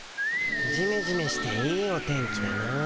じめじめしていいお天気だな。